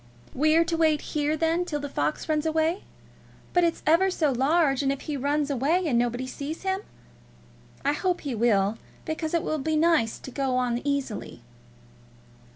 "We're to wait here, then, till the fox runs away? But it's ever so large, and if he runs away, and nobody sees him? I hope he will, because it will be nice to go on easily."